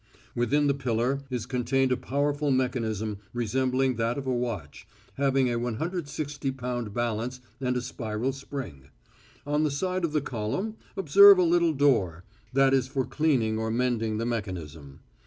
Within the pillar is contained a powerful mechanism resembling that of a watch, having a 160 lb. balance and a spiral spring. On the side of the column observe a little door, that is for cleaning or mending the mechanism.